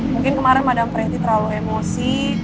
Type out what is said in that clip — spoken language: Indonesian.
mungkin kemarin madang preti terlalu emosi